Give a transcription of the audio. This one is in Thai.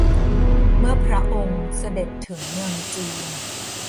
เมื่อพระองค์เสด็จถึงเมืองจีน